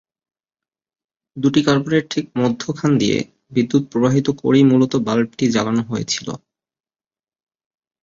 দুটি কার্বনের ঠিক মধ্যখান দিয়ে বিদ্যুৎ প্রবাহিত করেই মূলত বাল্বটি জ্বালানো হয়েছিল।